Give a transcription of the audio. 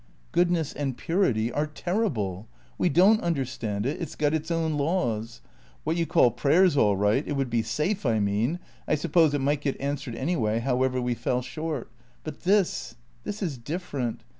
"Goodness and purity are terrible. We don't understand it. It's got its own laws. What you call prayer's all right it would be safe, I mean I suppose it might get answered anyway, however we fell short. But this this is different.